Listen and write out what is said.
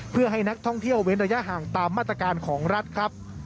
เพื่อให้นักท่องเที่ยวเว้นระยะห่างตามมาตรการของรัฐครับ